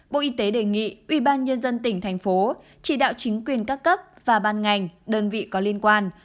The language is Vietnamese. bộ y tế đề nghị ủy ban nhân dân tỉnh thành phố chỉ đạo chính quyền các cấp và ban ngành đơn vị có liên quan